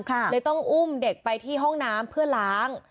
เลยต้องอุ้มเด็กไปที่ห้องน้ำเพื่อล้าง